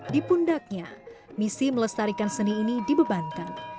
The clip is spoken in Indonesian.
di pundaknya misi melestarikan seni ini dibebankan